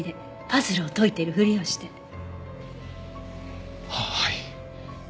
パズルを解いてるふりをして。ははい。